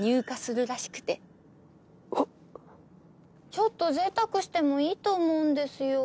ちょっと贅沢してもいいと思うんですよ。